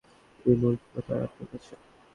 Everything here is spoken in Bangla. কী মূল্য ছিল তার, আপনার কাছে?